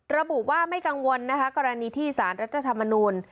ระบุว่าไม่กังวลนะคะกรณีที่สารรัฐธรรมนูล